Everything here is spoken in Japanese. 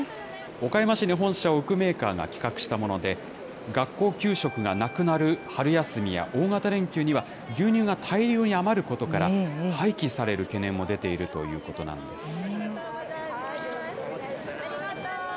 岡山市に本社を置くメーカーが企画したもので、学校給食がなくなる春休みや、大型連休には、牛乳が大量に余ることから、廃棄される懸念も出ているということなんです。